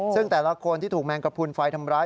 ซึ่งแต่ละคนที่ถูกแมงกระพุนไฟทำร้าย